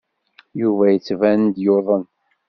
Yuba yettban-d yuḍen.